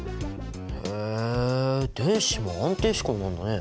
へえ電子も安定志向なんだね。